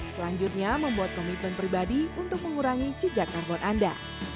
selanjutnya membuat komitmen pribadi untuk mengurangi jejak karbon anda